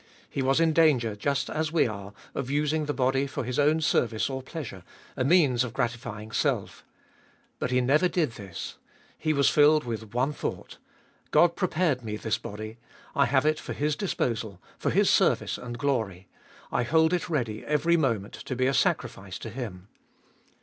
He was in danger, just as we are, of using the body for His own service or pleasure, a means of gratifying self. But He never did this. He was filled with one thought — God prepared Me this body ; I have it for His disposal, for His service and glory; I hold it ready every moment to be a sacrifice to Him.